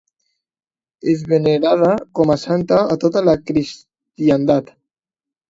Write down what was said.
És venerada com a santa a tota la cristiandat.